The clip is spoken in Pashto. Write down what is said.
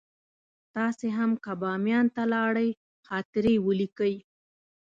تاسې هم که بامیان ته لاړئ خاطرې ولیکئ.